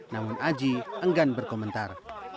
namun aji enggan berkomentar